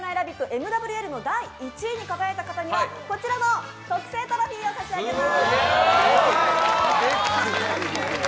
ＭＷＬ２０２２」の第１位に輝いた方にはこちらの特製トロフィーを差し上げます。